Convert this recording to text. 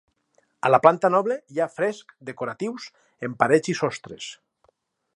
A la planta noble hi ha frescs decoratius en parets i sostres.